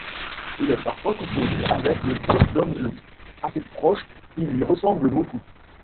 Il est parfois confondu avec le Pont Dom-Luís, assez proche, qui lui ressemble beaucoup.